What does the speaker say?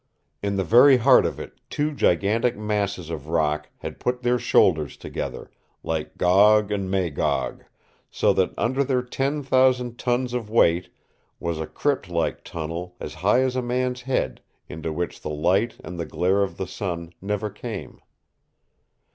In the very heart of it two gigantic masses of rock had put their shoulders together, like Gog and Magog, so that under their ten thousand tons of weight was a crypt like tunnel as high as a man's head, into which the light and the glare of the sun never came.